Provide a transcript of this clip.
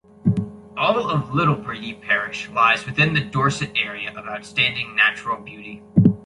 All of Littlebredy parish lies within the Dorset Area of Outstanding Natural Beauty.